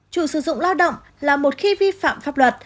chủ sử dụng lao động là một khi vi phạm pháp luật